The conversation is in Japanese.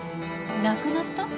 亡くなった？